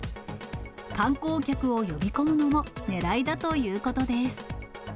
観光客を呼び込むのもねらいだということです。